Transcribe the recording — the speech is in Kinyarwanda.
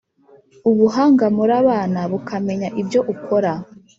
Ubuhanga murabana bukamenya ibyo ukora,